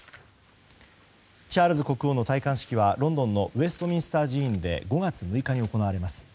チャールズ国王の戴冠式はロンドンのウェストミンスター寺院で５月６日に行われます。